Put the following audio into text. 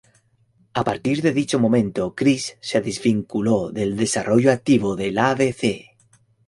A partir de dicho momento Chris se desvinculó del desarrollo activo del abc.